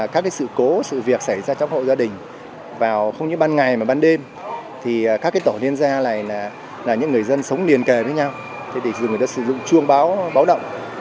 chương báo báo động để cùng nhau hỗ trợ